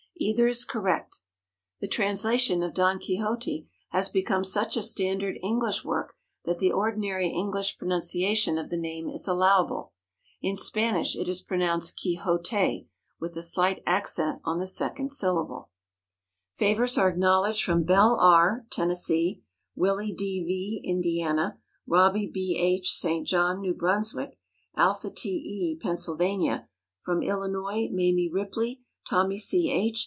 Either is correct. The translation of Don Quixote has become such a standard English work that the ordinary English pronunciation of the name is allowable. In Spanish it is pronounced Ke ho tay, with a slight accent on the second syllable. Favors are acknowledged from Belle R., Tennessee; Willie D. V., Indiana; Robbie B. H., St. John, New Brunswick; Alpha T. E., Pennsylvania; from Illinois Mamie Ripley, Tommy C. H.